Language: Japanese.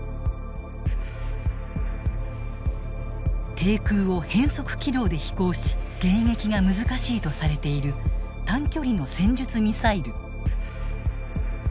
低空を変則軌道で飛行し迎撃が難しいとされている短距離の戦術ミサイル。